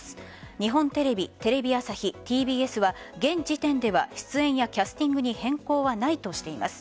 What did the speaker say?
日本テレビ、テレビ朝日ＴＢＳは現時点では出演やキャスティングに変更ないとしています。